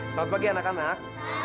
selamat pagi pak